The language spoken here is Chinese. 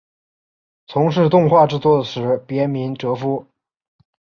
从事动画制作时别名哲夫。